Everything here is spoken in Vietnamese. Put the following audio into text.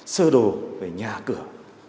sơ đồ về nhà cửa